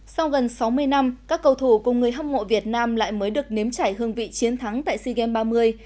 sau gần sáu mươi năm các cầu thủ cùng người hâm mộ việt nam lại mới được nếm chảy hương vị chiến thắng tại sea games ba mươi